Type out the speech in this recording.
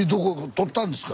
取ったんですか？